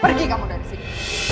pergi kamu dari sini